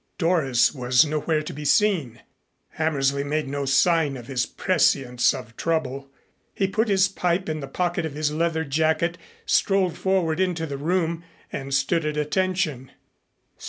Doris was nowhere to be seen. Hammersley made no sign of his prescience of trouble. He put his pipe in the pocket of his leather jacket, strolled forward into the room and stood at attention.